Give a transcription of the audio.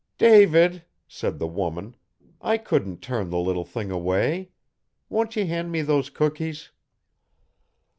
'David,' said the woman, 'I couldn't turn the little thing away. Won't ye hand me those cookies.'